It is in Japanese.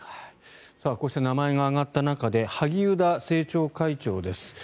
こうして名前が挙がった中で萩生田政調会長です。